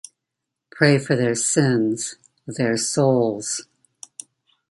Pray for their sins, their souls.